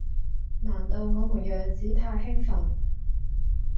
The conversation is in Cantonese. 難道我們樣子太興奮